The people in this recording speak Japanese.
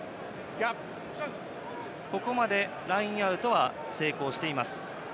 ここまでラインアウトは成功しています。